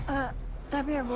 eh tapi ya bu